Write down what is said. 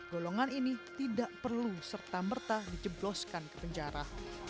golongan ini tidak perlu serta merta dijebloskan ke penjara